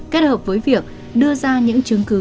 kết hợp với việc đưa ra những chứng cứ